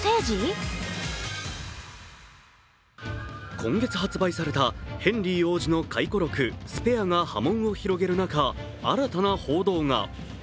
今月発売されたヘンリー王子の回顧録「Ｓｐａｒｅ」が波紋を広げる中、新たな報道が。